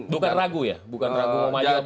bukan ragu ya bukan ragu mau maju apa nggak